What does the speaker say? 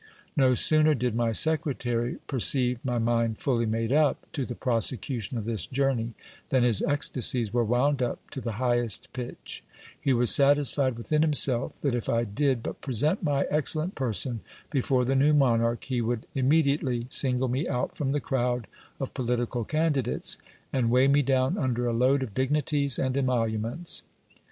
No sooner did my secretary perceive my mind fully made up to the prosecution of this journey, than his ecstacies were wound up to the highest pitch : he was satisfied within himself that if I did but present my excellent person before the new monarch, he would immediately single me out from the crowd of political candidates, and weigh me down under a load of dignities and emoluments.